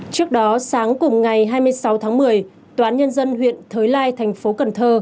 trước đó sáng cùng ngày hai mươi sáu tháng một mươi tòa án nhân dân huyện thới lai tp cn